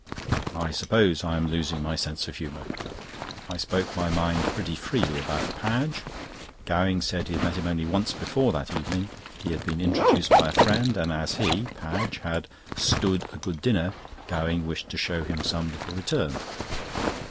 I suppose I am losing my sense of humour. I spoke my mind pretty freely about Padge. Gowing said he had met him only once before that evening. He had been introduced by a friend, and as he (Padge) had "stood" a good dinner, Gowing wished to show him some little return.